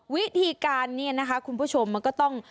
วิธีการเนี่ยนะคะคุณผู้ชมมันก็ต้อง